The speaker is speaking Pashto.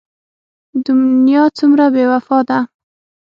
دنيا څومره بې وفا ده.